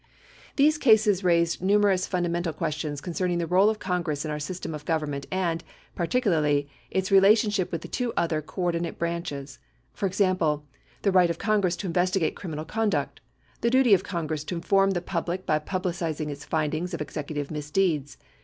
These cases raised numerous fundamental questions concerning the role of Congress in our system of government and, particularly, its relationship with the other two coordinate branches. For example: The right of Congress to investigate criminal conduct. The duty of Congress to inform the public by publicizing its findings of executive misdeeds.